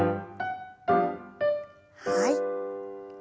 はい。